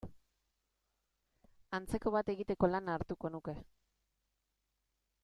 Antzeko bat egiteko lana hartuko nuke.